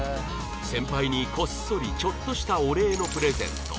先輩にこっそりちょっとしたお礼のプレゼント